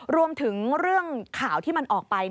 รวมถึงเรื่องข่าวที่มันออกไป